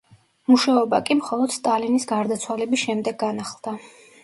მუშაობა კი მხოლოდ სტალინის გარდაცვალების შემდეგ განახლდა.